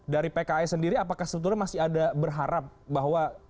dari pks sendiri apakah sebetulnya masih ada berharap bahwa